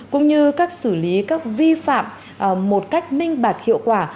cũng như các xử lý các vi phạm một cách minh bạc hiệu quả